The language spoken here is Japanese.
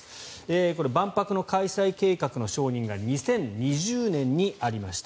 これ、万博の開催計画の承認が２０２０年にありました。